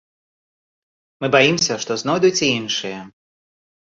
Мы баімся, што знойдуць і іншыя.